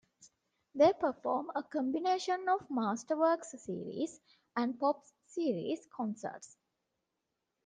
They perform a combination of "masterworks series" and "pops series" concerts.